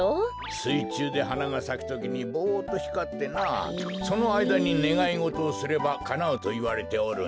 すいちゅうではながさくときにぼっとひかってなあそのあいだにねがいごとをすればかなうといわれておるんじゃ。